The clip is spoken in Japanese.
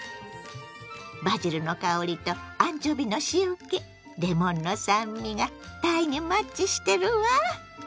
バジルの香りとアンチョビの塩けレモンの酸味がたいにマッチしてるわ。